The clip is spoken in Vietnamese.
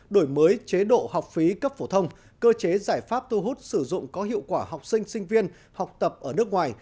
đổi mới chế độ học phí cấp phổ thông cơ chế giải pháp thu hút sử dụng có hiệu quả học sinh sinh viên học tập ở nước ngoài